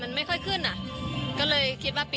มันอาจจะเป็นแก๊สธรรมชาติค่ะ